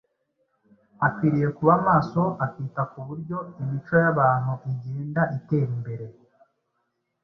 Akwiriye kuba maso akita ku buryo imico y’abantu igenda itera imbere.